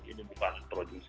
ini bukan proyeksi